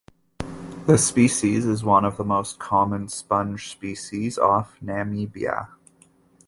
This species is one of the most common sponge species off Namibia.